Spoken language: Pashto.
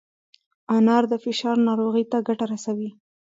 انار د فشار ناروغۍ ته ګټه رسوي.